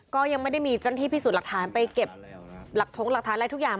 ก็ยังไม่ได้มีเจ้าหน้าที่พิสูจน์หลักฐานไปเก็บหลักถงหลักฐานอะไรทุกอย่าง